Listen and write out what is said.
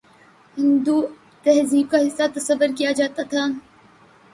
ہندو تہذیب کا حصہ تصور کیا جاتا تھا